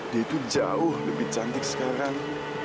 dia itu jauh lebih cantik sekarang